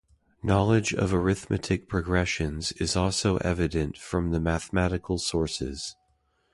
Knowledge of arithmetic progressions is also evident from the mathematical sources.